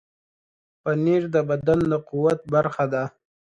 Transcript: پنېر د بدن د قوت برخه ده.